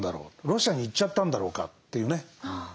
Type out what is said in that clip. ロシアに行っちゃったんだろうか？というね。